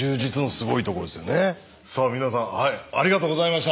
さあ皆さんありがとうございました。